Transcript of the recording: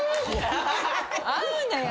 合うのよ。